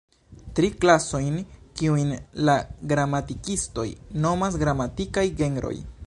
Tri klasojn, kiujn la gramatikistoj nomas gramatikaj genroj.